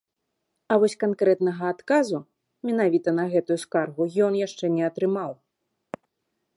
А вось канкрэтнага адказу менавіта на гэтую скаргу ён яшчэ не атрымаў.